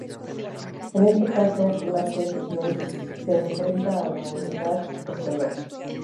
En este caso, Naked Snake se enfrenta a la Unidad Ocelot.